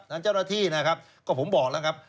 เจ้าหน้าที่นะครับก็ผมบอกแล้วครับ